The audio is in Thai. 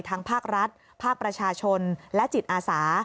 ภาครัฐภาคประชาชนและจิตอาสา